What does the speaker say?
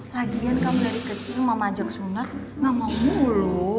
lagian kamu dari kecil mama ajak semua gak mau mulu